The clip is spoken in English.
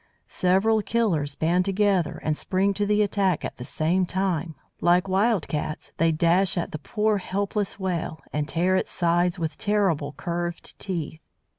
Several Killers band together and spring to the attack at the same time, Like wild cats, they dash at the poor helpless Whale, and tear its sides with terrible curved teeth.